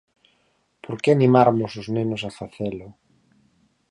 Por que animarmos os nenos a facelo?